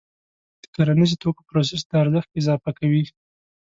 د کرنیزو توکو پروسس د ارزښت اضافه کوي.